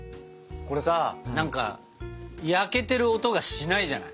これさ何か焼けてる音がしないじゃない？